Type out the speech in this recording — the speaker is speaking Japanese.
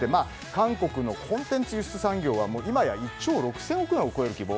韓国のコンテンツ輸出産業は１兆６０００億を超える規模。